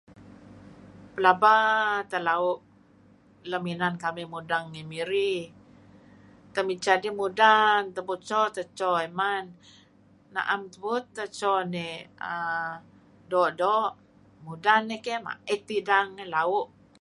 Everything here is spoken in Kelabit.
Pelaba teh lau' lem inan kamih mudeng ngi Miri. Temiceh dih mudan tebuco dih teh so man. Naem tubuut teh so dih doo'-doo'. Mudan iyeh keyh mait teh idang.